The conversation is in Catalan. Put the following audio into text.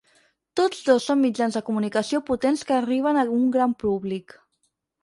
Tots dos són mitjans de comunicació potents que arriben a un gran públic.